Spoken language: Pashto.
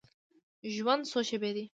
ژوند څو شیبې دی.